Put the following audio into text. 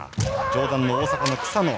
上段の大阪の草野。